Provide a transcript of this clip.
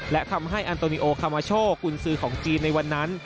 และทำให้อันโตนิโอคามาโชกุญสือของจีนในวันนั้น